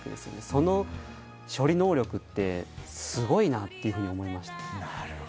その処理能力ってすごいなと思いました。